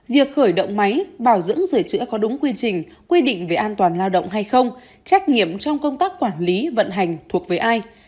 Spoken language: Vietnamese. việc khởi động máy bảo dưỡng sửa chữa có đúng quy trình quy định về an toàn lao động hay không trách nhiệm trong công tác quản lý vận hành thuộc với ai